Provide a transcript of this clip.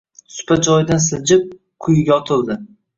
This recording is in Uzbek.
Supa joyidan siljib, quyiga otildi.